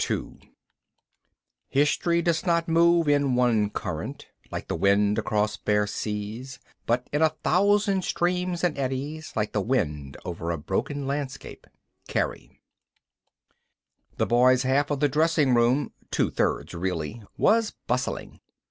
II History does not move in one current, like the wind across bare seas, but in a thousand streams and eddies, like the wind over a broken landscape. Cary The boys' half of the dressing room (two thirds really) was bustling.